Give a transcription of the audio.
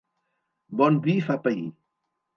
Bon vi fa pair.